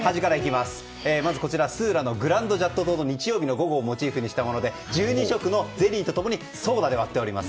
スーラの「グランド・ジャット島の日曜日の午後」をモチーフにしたもので１２色のゼリーと共にソーダで割っています